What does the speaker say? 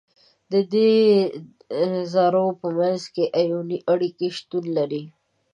د دې ذرو په منځ کې آیوني اړیکه شتون لري.